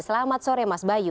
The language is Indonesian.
selamat sore mas bayu